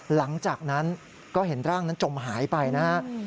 หลังจากนั้นก็เห็นร่างนั้นจมหายไปนะฮะ